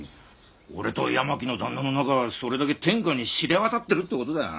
俺と八巻の旦那の仲はそれだけ天下に知れ渡ってるってことだよ。